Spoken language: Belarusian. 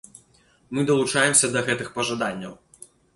Мы далучаемся да гэтых пажаданняў.